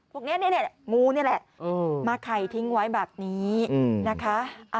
พวกนี้งูนี่แหละมาไข่ทิ้งไว้แบบนี้นะคะ